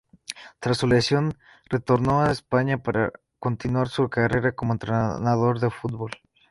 Tras su lesión, retornó a España, para continuar su carrera como entrenador de fútbol.